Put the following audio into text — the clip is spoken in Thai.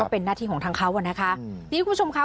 เป็นหน้าที่ของทางเขาอ่ะนะคะนี่คุณผู้ชมค่ะ